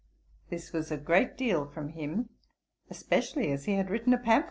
This was a great deal from him, especially as he had written a pamphlet upon it.